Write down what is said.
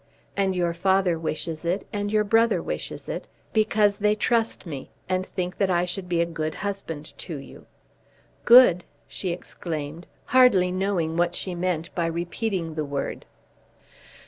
And your father wishes it, and your brother wishes it, because they trust me, and think that I should be a good husband to you." "Good!" she exclaimed, hardly knowing what she meant by repeating the word.